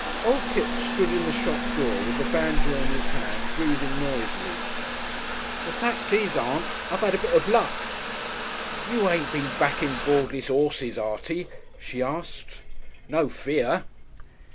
Old Kipps stood in the shop door with the banjo in his hand, breathing noisily. "The fact is, Aunt, I've 'ad a bit of Luck." "You ain't been backin' gordless 'orses, Artie?" she asked. "No fear."